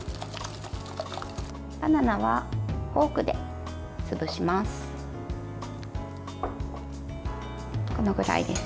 バナナはフォークで潰します。